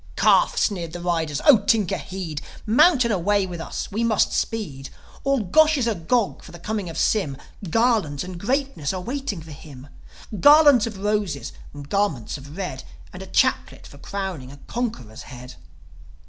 "' "Calf!" sneered the riders. "O Tinker, heed! Mount and away with us, we must speed. All Gosh is agog for the coming of Sym. Garlands and greatness are waiting for him: Garlands of roses, and garments of red And a chaplet for crowning a conqueror's head."